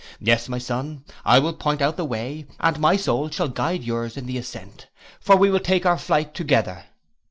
Yes, my son, I will point out the way, and my soul shall guide yours in the ascent, for we will take our flight together.